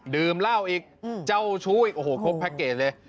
ดื่มเหล้าอีกเจ้าชู้อีกโอ้โหครบแพ็คเกจเลย